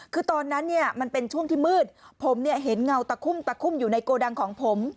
คือตอนนั้นเนี่ยมันเป็นช่วงที่มืดผมเนี่ยเห็นเงาตะคุ่มตะคุ่มอยู่ในโกดังของผม